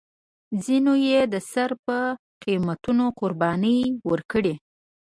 ځینو یې د سر په قیمتونو قربانۍ ورکړې.